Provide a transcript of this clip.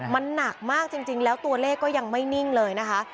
มันหนักมากจริงแล้วตัวเลขก็ยังไม่นิ่งเลยนะคะ